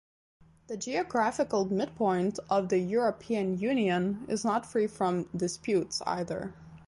The geographical midpoint of the European Union is not free from disputes, either.